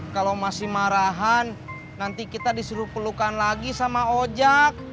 kalau masih marahan nanti kita disuruh pelukan lagi sama ojek